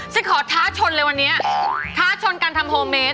ขอท้าชนเลยวันนี้ท้าชนการทำโฮเมส